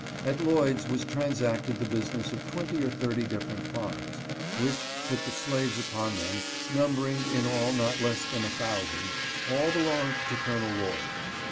At Lloyd's, was transacted the business of twenty or thirty different farms, which, with the slaves upon them, numbering, in all, not less than a thousand, all belonged to Col. Lloyd.